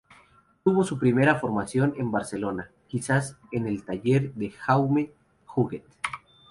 Tuvo su primera formación en Barcelona, quizás en el taller de Jaume Huguet.